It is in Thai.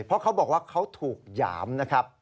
เพราะเขาบอกว่าเขาถูกหยามนะครับ